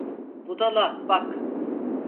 Budala bak!